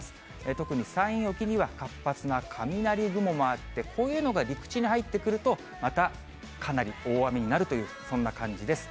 特に山陰沖には活発な雷雲もあって、こういうのが陸地に入ってくると、またかなり大雨になるという、そんな感じです。